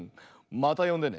またよんでね。